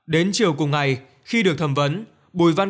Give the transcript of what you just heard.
đến chiều cùng ngày khi được thẩm vấn